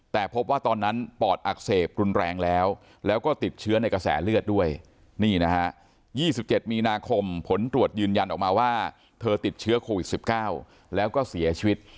แต่พบว่าตอนนั้นปอดอักเสบกลุ่นแรงแล้วแล้วก็ติดเชื้อในกระแสเลือดด้วย